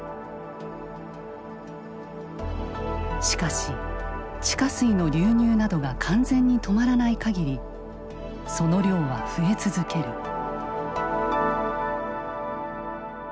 しかし地下水の流入などが完全に止まらない限りその量は増え続ける。